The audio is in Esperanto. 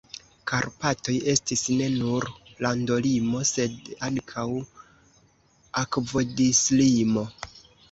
Karpatoj estis ne nur landolimo, sed ankaŭ akvodislimo.